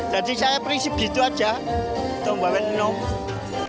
jadi saya prinsip gitu saja tombolnya senang